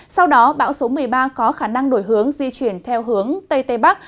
sau đó bão số một mươi ba có khả năng đổi hướng di chuyển theo hướng tây tây bắc